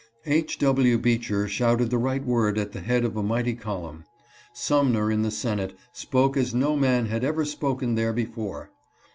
H. W. Beecher shouted the right word at the head of a mighty column ; Sumner in the Senate spoke as no man had ever spoken there before.